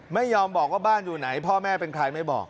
ไม่ยอมบอกว่าบ้านอยู่ไหนพ่อแม่เป็นใครไม่บอก